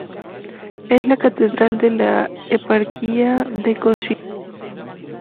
Es la catedral de la eparquía de Košice.